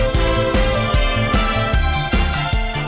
สวัสดีค่ะ